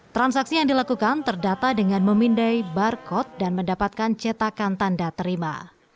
transaksi yang dilakukan terdata dengan memindai barcode dan mendapatkan cetakan tanda terima